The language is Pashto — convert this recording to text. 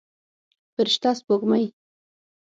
فرشته سپوږمۍ